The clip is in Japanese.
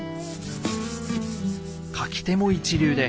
書き手も一流で